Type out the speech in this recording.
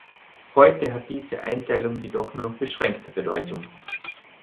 Heute hat diese Einteilung jedoch nur noch beschränkte Bedeutung.